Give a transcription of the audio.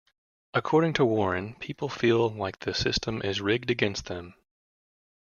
According to Warren, People feel like the system is rigged against them.